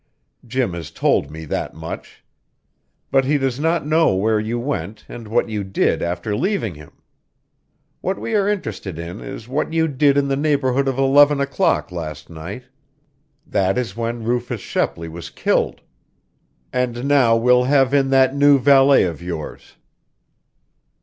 Jim has told me that much. But he does not know where you went and what you did after leaving him. What we are interested in is what you did in the neighborhood of eleven o'clock last night. That is when Rufus Shepley was killed. And now we'll have in that new valet of yours."